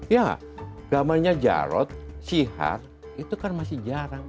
ya gamanya jarot sihar itu kan masih jarang